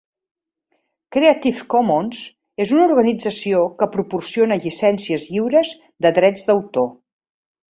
Creative Commons és una organització que proporciona llicències lliures de drets d'autor.